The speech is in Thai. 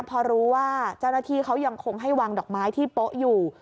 พอรู้ว่าเจ้าหน้าที่เขายังคงให้วางดอกไม้ที่โป๊ะอยู่